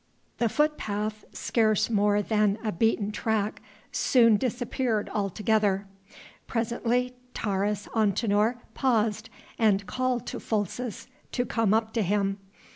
The footpath scarce more than a beaten track soon disappeared altogether. Presently Taurus Antinor paused and called to Folces to come up to him.